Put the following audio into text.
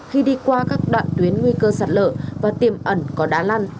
khi đi qua các đoạn tuyến nguy cơ sạt lở và tiềm ẩn có đá lăn